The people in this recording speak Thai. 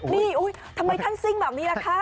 นี่ทำไมท่านซิ่งแบบนี้ล่ะคะ